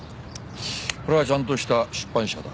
これはちゃんとした出版社だ。